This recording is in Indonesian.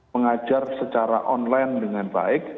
mengajar secara online dengan baik